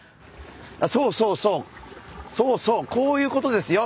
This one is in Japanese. そうそうそうそうそうこういうことですよ